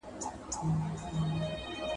موږ باید خپل بکسونه واخیستل شي.